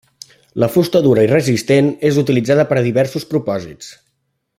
La fusta dura i resistent és utilitzada per a diversos propòsits.